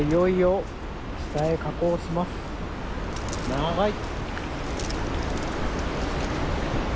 長い。